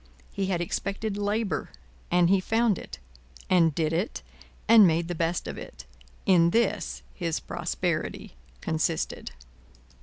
He had expected labour, and he found it, and did it and made the best of it. In this, his prosperity consisted.